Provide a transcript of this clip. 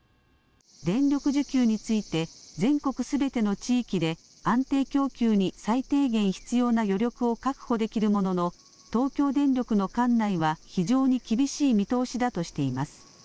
電力需給について全国すべての地域で安定供給に最低限必要な余力を確保できるものの東京電力の管内は非常に厳しい見通しだとしています。